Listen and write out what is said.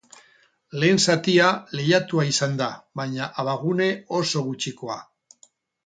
Lehen zatia lehiatua izan da, baina abagune oso gutxikoa.